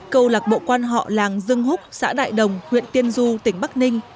câu lạc bộ quan họ làng dương húc xã đại đồng huyện tiên du tỉnh bắc ninh